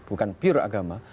bukan biru agama